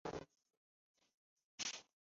岘港国际机场。